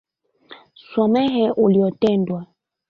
Swamehe uyotendewa.